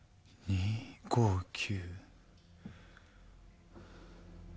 ２５９。